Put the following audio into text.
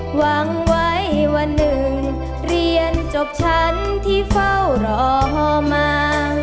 หวังไว้วันหนึ่งเรียนจบชั้นที่เฝ้ารอมา